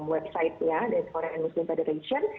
website nya dari korea muslim federation